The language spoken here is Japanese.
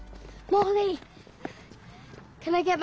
もういいや。